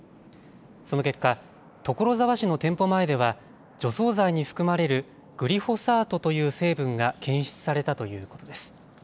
その結果、所沢市の店舗前では除草剤に含まれるグリホサートという成分が検出されたということです。